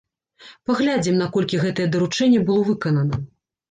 Паглядзім, наколькі гэтае даручэнне было выканана.